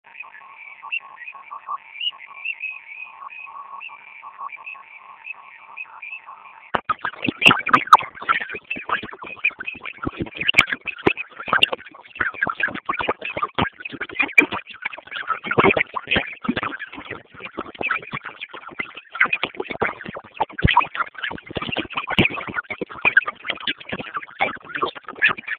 Kumutumia hela mama ni vema zaidi kuliko mpenzi wako